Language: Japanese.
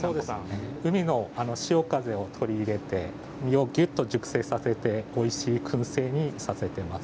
海からの潮風を取り入れて身をきゅっと熟成させておいしいくん製にさせています。